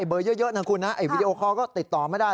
บิวะคุณฟิลโวติดต่อไม่ได้